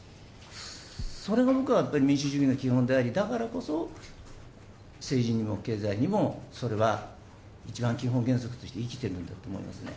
それが僕は民主主義の基本であり、だからこそ政治にも経済にもそれは一番基本原則として生きているんだと思いますね。